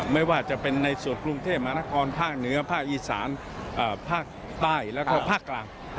ไม่ว่าจะเป็นในส่วนกรุงเทพมหานครภาคเหนือภาคอีสานภาคใต้แล้วก็ภาคกลาง